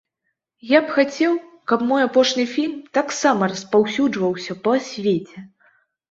Я б хацеў, каб мой апошні фільм таксама распаўсюджваўся па свеце.